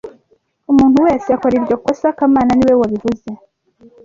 Umuntu wese akora iryo kosa kamana niwe wabivuze